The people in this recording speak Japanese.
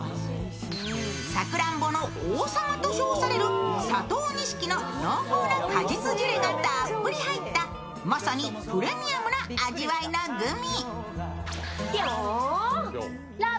さくらんぼの王様と称される佐藤錦の濃厚な果実ジュレがたっぷり入ったまさにプレミアムな味わいのグミ。